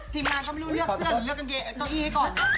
ทีมน้างเขาไม่รู้เลือกเสื้อหรือเลือกเกะอี้ก็ให้ก่อน